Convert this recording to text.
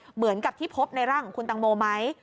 เหมือนกับที่พบในร่างของคุณตังโมไหม